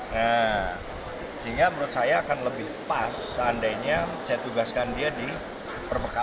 nah sehingga menurut saya akan lebih pas seandainya saya tugaskan dia di perbekaan